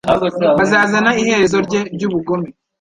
Bazazana iherezo rye ry'ubugome